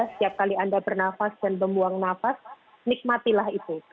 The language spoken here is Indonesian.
setiap kali anda bernafas dan membuang nafas nikmatilah itu